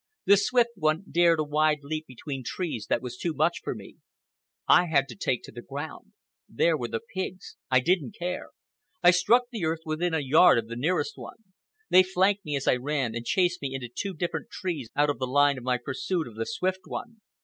The Swift One dared a wide leap between trees that was too much for me. I had to take to the ground. There were the pigs. I didn't care. I struck the earth within a yard of the nearest one. They flanked me as I ran, and chased me into two different trees out of the line of my pursuit of the Swift One.